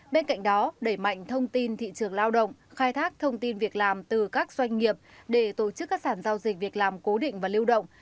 bên cạnh đó đẩy mạnh thông tin thị trường lao động khai thác thông tin việc làm từ các doanh nghiệp để tổ chức các sản giao dịch việc làm cố định và lưu động